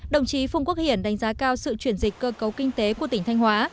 đồng chí phùng quốc hiển đánh giá cao sự chuyển dịch cơ cấu kinh tế của tỉnh thanh hóa